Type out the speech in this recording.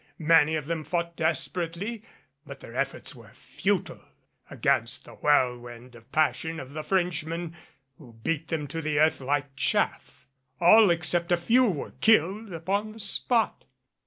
Many of them fought desperately, but their efforts were futile against the whirlwind of passion of the Frenchmen who beat them to the earth like chaff. All except a few were killed upon the spot.